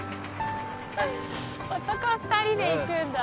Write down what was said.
男２人で行くんだ。